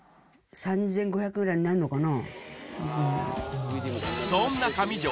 ３５００ぐらいになるのかな